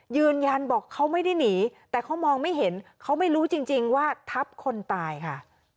ยืนยันบอกเขาไม่ได้หนีแต่เขามองไม่เห็นเขาไม่รู้จริงว่าทับคนตายค่ะ